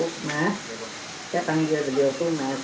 saya panggil beliau itu